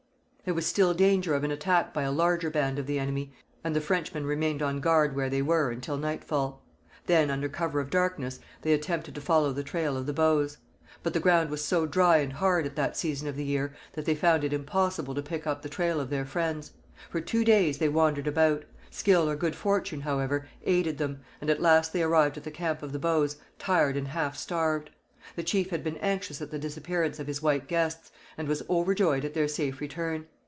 There was still danger of an attack by a larger band of the enemy, and the Frenchmen remained on guard where they were until nightfall. Then, under cover of darkness, they attempted to follow the trail of the Bows. But the ground was so dry and hard at that season of the year that they found it impossible to pick up the trail of their friends. For two days they wandered about. Skill or good fortune, however, aided them, and at last they arrived at the camp of the Bows, tired and half starved. The chief had been anxious at the disappearance of his white guests, and was overjoyed at their safe return.